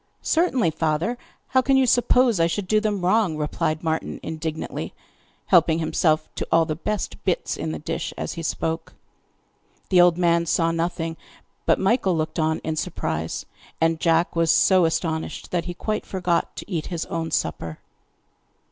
'Certainly, father; how can you suppose I should do them wrong?' replied Martin indignantly, helping himself to all the best bits in the dish as he spoke. The old man saw nothing, but Michael looked on in surprise, and Jack was so astonished that he quite forgot to eat his own supper.